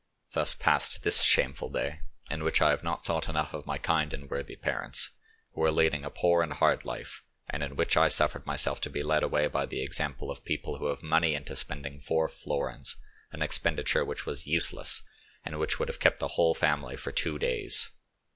"Thus passed this shameful day, in which I have not thought enough of my kind and worthy parents, who are leading a poor and hard life, and in which I suffered myself to be led away by the example of people who have money into spending four florins—an expenditure which was useless, and which would have kept the whole family for two days.